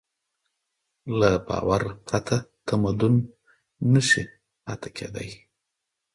له باور پرته تمدن نهشي پاتې کېدی.